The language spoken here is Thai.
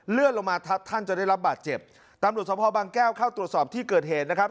ลงมาทับท่านจนได้รับบาดเจ็บตำรวจสมภาพบางแก้วเข้าตรวจสอบที่เกิดเหตุนะครับ